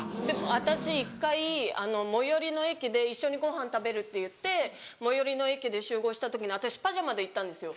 私一回最寄りの駅で一緒にご飯食べるっていって最寄りの駅で集合した時に私パジャマで行ったんですよ。